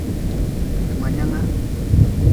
Mngengga.